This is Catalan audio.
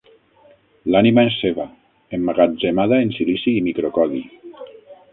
L'ànima és seva, emmagatzemada en silici i microcodi.